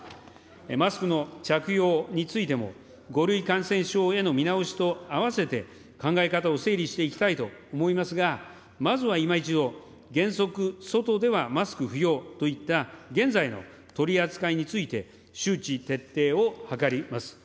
マスクの着用についても、５類感染症への見直しとあわせて、考え方を整理していきたいと思いますが、まずはいま一度、原則、外ではマスク不要といった現在の取り扱いについて、周知徹底を図ります。